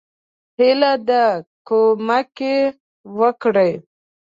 هیله ده کومک یی وکړي.